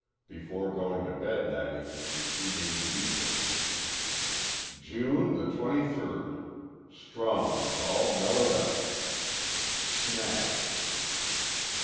Before going to bed that evening he made these entries: _"June the 23. Strong is all mellered up. "Snags."